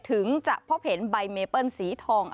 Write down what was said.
ถึงจะพบเห็นใบเมเปิ้ลสีทอง